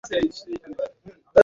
এর পর খুলনা জিলা স্কুলে।